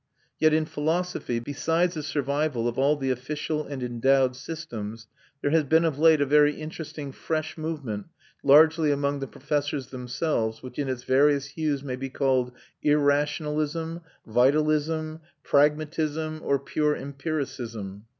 Yet in philosophy, besides the survival of all the official and endowed systems, there has been of late a very interesting fresh movement, largely among the professors themselves, which in its various hues may be called irrationalism, vitalism, pragmatism, or pure empiricism.